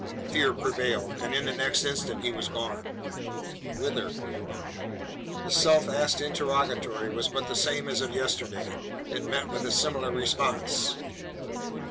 Fear prevailed; and in the next instant he was gone. Whither? The self asked interrogatory was but the same as of yesterday. It met with a similar response.